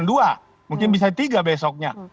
mungkin bisa katakan dua mungkin bisa tiga besoknya